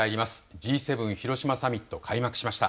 Ｇ７広島サミット、開幕しました。